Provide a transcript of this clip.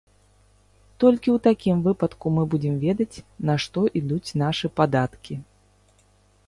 Толькі ў такім выпадку мы будзем ведаць, на што ідуць нашы падаткі.